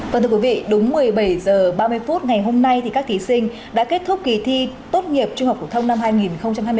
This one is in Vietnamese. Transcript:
vâng thưa quý vị đúng một mươi bảy h ba mươi phút ngày hôm nay thì các thí sinh đã kết thúc kỳ thi tốt nghiệp trung học phổ thông năm hai nghìn hai mươi bốn